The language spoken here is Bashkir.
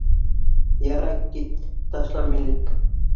Ярай, кит. Ташла мине.